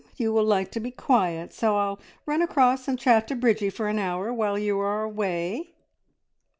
You will like to be quiet, so I'll run across and chat to Bridgie for an hour, while you are away!"